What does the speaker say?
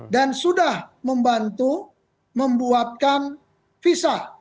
dan sudah membantu membuatkan visa